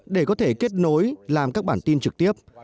để có thể kết nối làm các bản tin trực tiếp